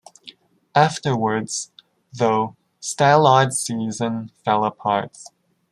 Afterwards, though, Stallard's season fell apart.